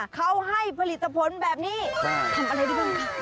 เขาให้ผลิตผลแบบนี้ทำอะไรได้บ้างคะ